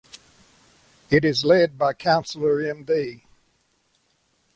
It is led by counselor Md.